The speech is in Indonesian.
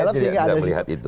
kalau saya tidak melihat itu